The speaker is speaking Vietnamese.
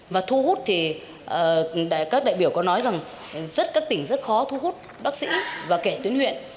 và thu hút thì các đại biểu có nói rằng các tỉnh rất khó thu hút bác sĩ và kể tuyến huyện